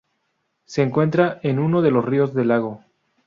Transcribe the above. Se encuentra en uno de los ríos del lago.